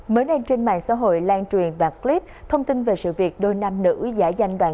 mới đây trên mạng xã hội lan truyền đoạn clip thông tin về sự việc đôi nam nữ giải danh đoàn